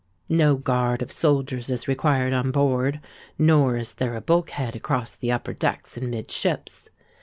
No guard of soldiers is required on board: nor is there a bulk head across the upper deck in mid ships.